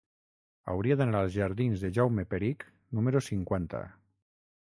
Hauria d'anar als jardins de Jaume Perich número cinquanta.